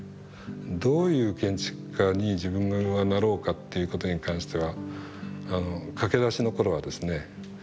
どういう建築家に自分はなろうかっていうことに関しては駆け出しの頃はですね。